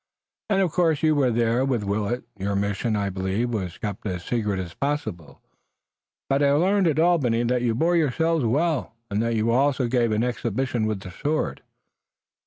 "And of course you were there with Willet. Your mission, I believe, was kept as secret as possible, but I learned at Albany that you bore yourself well, and that you also gave an exhibition with the sword."